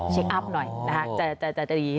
เช็กอัพหน่อยนะคะจะดี